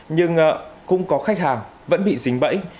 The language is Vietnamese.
nhưng cũng có khách hàng vẫn bị dính bẫy